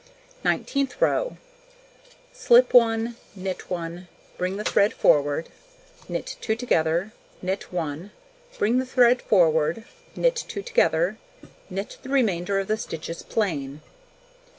Nineteenth row: Slip 1, knit 1, bring the thread forward, knit 2 together, knit 1, bring the thread forward, knit 2 together, knit the remainder of the stitches plain.